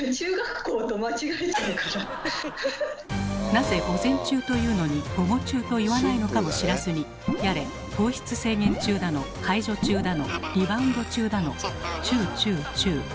なぜ「午前中」と言うのに「午後中」と言わないのかも知らずにやれ「糖質制限中」だの「解除中」だの「リバウンド中」だのチュウチュウチュウ。